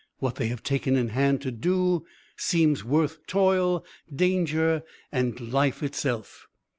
What they have taken in hand to do seems worth toil, danger, and life itself.